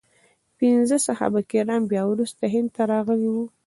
پنځه صحابه کرام بیا وروسته هند ته راغلي وو.